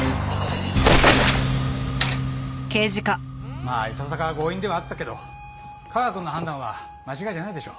まあいささか強引ではあったけど架川くんの判断は間違いじゃないでしょう。